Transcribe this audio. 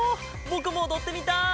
ぼくもおどってみたい！